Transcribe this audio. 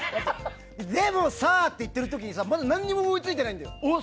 でもさーって言ってる時何も思いついてないんだよ。